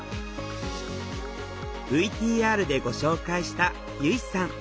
ＶＴＲでご紹介したゆいさん。